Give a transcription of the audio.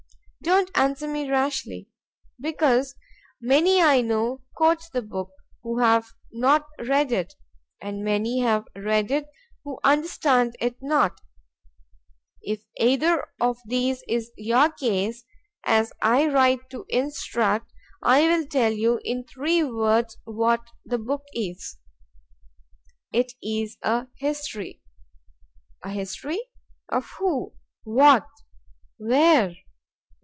——Don't answer me rashly—because many, I know, quote the book, who have not read it—and many have read it who understand it not:—If either of these is your case, as I write to instruct, I will tell you in three words what the book is.—It is a history.—A history! of who? what? where?